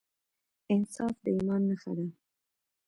انصاف د ایمان نښه ده.